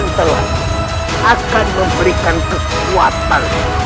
aing ayuna bakal memberikan kekuatan